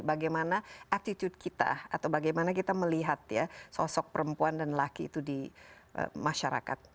bagaimana attitude kita atau bagaimana kita melihat ya sosok perempuan dan laki itu di masyarakat